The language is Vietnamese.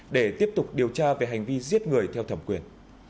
để tiếp tục điều tra về hành vi giết người theo thẩm quyền